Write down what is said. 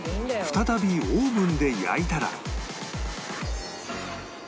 再びオーブンで焼いたら